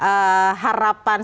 apakah akan ada harapan